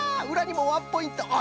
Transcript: うらにもワンポイント！